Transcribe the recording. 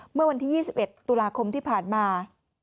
เมื่อวันที่๒๑ตุลาคมที่ผ่านมา